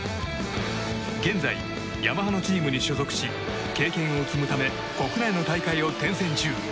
現在、ヤマハのチームに所属し経験を積むため国内の大会を転戦中。